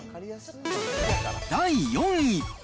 第４位。